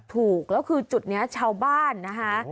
ถูกแล้วคือจุดนี้ชาวบ้านนะคะ